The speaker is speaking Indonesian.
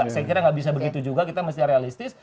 saya kira nggak bisa begitu juga kita mesti realistis